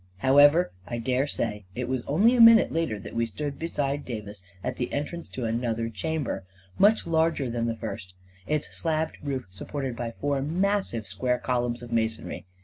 However, I dare say it was only a minute later that we stood beside Davis at the entrance to an other chamber, much larger than the first, its slabbed roof supported by four massive square columns of masonry.